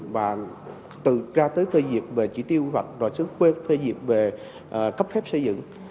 và ra tới phê diệt về chỉ tiêu hoặc phê diệt về cấp phép xây dựng